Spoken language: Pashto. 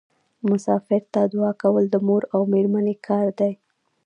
مسافر ته دعا کول د مور او میرمنې کار دی.